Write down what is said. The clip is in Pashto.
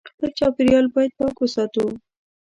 خپل چاپېریال باید پاک وساتو